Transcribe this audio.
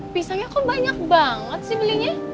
pisangnya kok banyak banget sih belinya